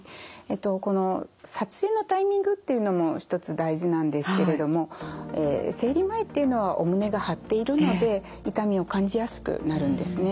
この撮影のタイミングっていうのも１つ大事なんですけれども生理前っていうのはお胸が張っているので痛みを感じやすくなるんですね。